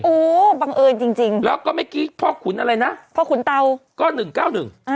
โอ้บังเอิญจริงแล้วก็เมื่อกี้พ่อขุนอะไรนะพ่อขุนเต่าก็๑๙๑โทษค่ะ